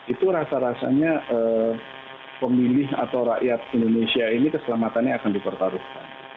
itu rasa rasanya pemilih atau rakyat indonesia ini keselamatannya akan dipertaruhkan